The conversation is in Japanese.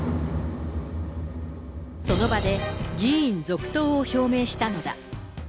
その場で議員続投を表明したのだ。